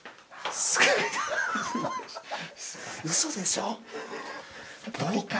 嘘でしょ？